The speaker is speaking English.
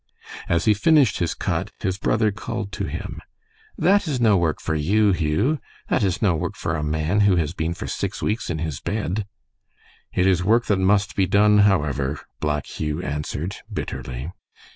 As he finished his cut, his brother called to him, "That is no work for you, Hugh; that is no work for a man who has been for six weeks in his bed." "It is work that must be done, however," Black Hugh answered, bitterly.